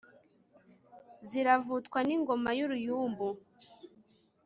ziravutwa n' ingoma y' uruyumbu